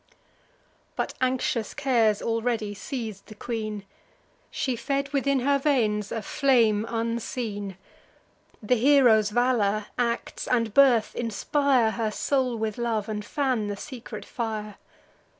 But anxious cares already seiz'd the queen: She fed within her veins a flame unseen; The hero's valour, acts, and birth inspire Her soul with love, and fan the secret fire.